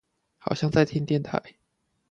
好像在聽電台